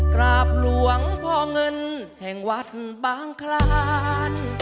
กราบหลวงพ่อเงินแห่งวัดบางคลาน